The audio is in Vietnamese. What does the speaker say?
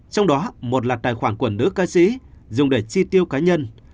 trong đó một là tài khoản của nữ ca sĩ dùng để chi tiêu cá nhân